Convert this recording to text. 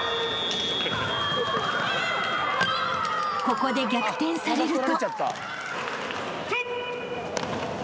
［ここで逆転されると］